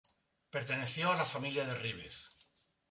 Perteneció a la familia de Ribes.